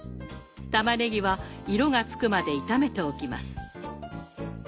玉ねぎは色がつくまで炒めておきます。